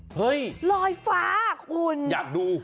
เฮ้ยอยากดูลอยฟ้าคุณ